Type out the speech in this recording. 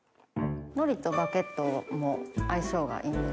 海苔とバゲットも相性がいいんです。